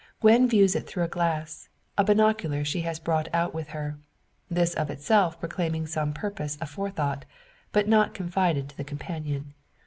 Gwen views it through a glass a binocular she has brought out with her; this of itself proclaiming some purpose aforethought, but not confided to the companion.